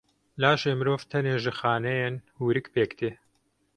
Laşê mirov tenê ji xaneyên hûrik pêk tê.